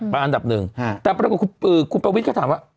ไปอันดับหนึ่งแต่คุณประวิทย์ก็ถามว่า